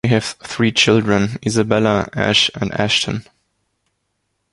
They have three children: Isabella, Josh and Ashton.